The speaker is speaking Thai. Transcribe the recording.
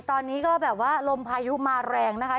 ตอนนี้ก็แบบว่าลมพายุมาแรงนะคะ